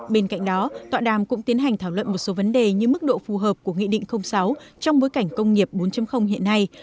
bên cạnh đó tọa đàm cũng tiến hành thảo luận một số vấn đề như mức độ phù hợp của nghị định sáu trong bối cảnh công nghiệp bốn hiện nay